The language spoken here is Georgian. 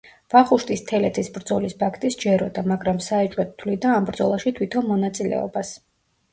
ვახუშტის თელეთის ბრძოლის ფაქტი სჯეროდა, მაგრამ საეჭვოდ თვლიდა ამ ბრძოლაში თვითონ მონაწილეობას.